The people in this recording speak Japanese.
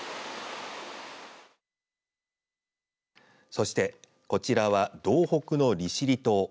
そしてこちらは道北の利尻島。